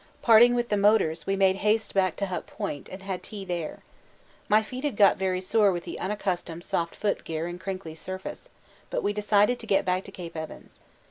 Parting with the motors, we made haste back to Hut Point and had tea there. My feet had got very sore with the unaccustomed soft foot gear and crinkly surface, but we decided to get back to Cape Evans.